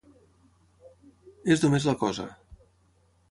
És només la cosa.